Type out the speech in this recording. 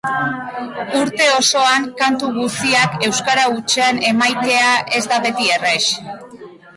Urte osoan kantu guziak euskara hutsean emaitea ez da beti errex.